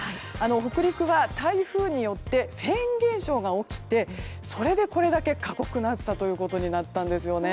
北陸は台風によってフェーン現象が起きてそれでこれだけ過酷な暑さということになったんですよね。